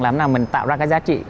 làm nào mình tạo ra cái giá trị